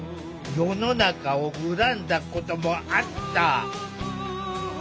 世の中を恨んだこともあった。